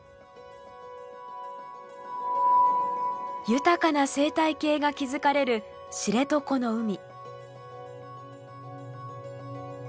豊かな生態系が築かれる知床の海。